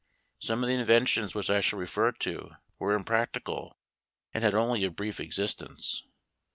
Some of the inventions which I shall refer to were impractical, and had only a brief existence.